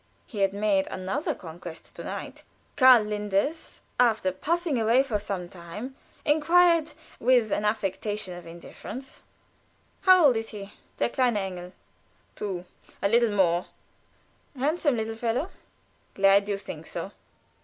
He had made another conquest to night. Karl Linders, after puffing away for some time, inquired, with an affectation of indifference: "How old is he der kleine Bengel?" "Two a little more." "Handsome little fellow!" "Glad you think so."